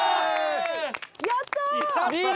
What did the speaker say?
やったー！